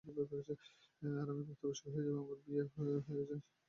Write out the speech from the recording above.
আর আমি প্রাপ্তবয়স্ক হয়ে যাওয়ায় আমার বিয়ে হয়ে যায়।